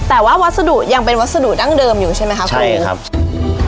แต่ว่าวัสดุยังเป็นวัสดุดั้งเดิมอยู่ใช่ไหมคะคุณครับ